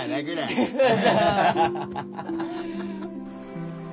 アハハハハ。